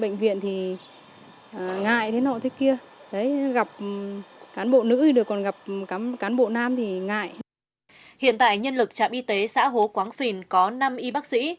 hiện tại nhân lực trạm y tế xã hố quán phìn có năm y bác sĩ